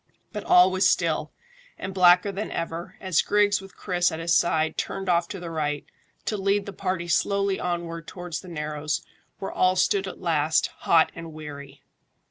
But all was still, and blacker than ever, as Griggs with Chris at his side turned off to the right, to lead the party slowly onward towards the narrows, where all stood at last, hot and weary.